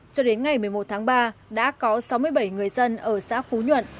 cho đến ngày một mươi một tháng ba đã có sáu mươi bảy người dân ở xã phú nhuận